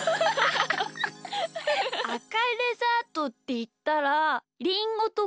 あかいデザートっていったらりんごとかいちごだけど。